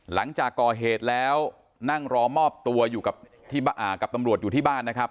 หลังจากก่อเหตุแล้วนั่งรอมอบตัวอยู่กับตำรวจอยู่ที่บ้านนะครับ